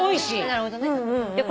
なるほどね。